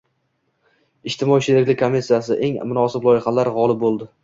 Ijtimoiy sheriklik komissiyasi: eng munosib loyihalar g‘olib bo‘ldi